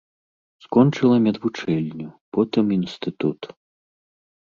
Скончыла медвучэльню, потым інстытут.